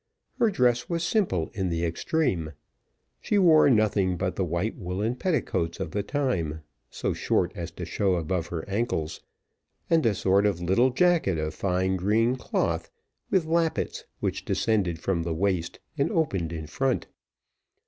Her dress was simple in the extreme. She wore nothing but the white woollen petticoats of the time, so short, as to show above her ankles, and a sort of little jacket of fine green cloth, with lappets, which descended from the waist, and opened in front.